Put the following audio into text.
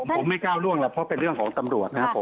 ผมไม่ก้าวล่วงแล้วเพราะเป็นเรื่องของตำรวจนะครับผม